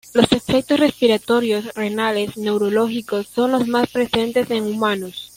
Los efectos respiratorios, renales, neurológicos son los más presentes en humanos.